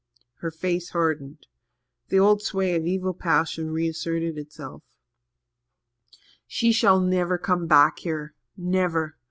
Her face hardened. The old sway of evil passion reasserted itself. "She shall never come back here never.